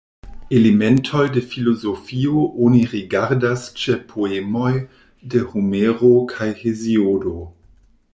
Elementoj de filozofio oni rigardas ĉe poemoj de Homero kaj Heziodo.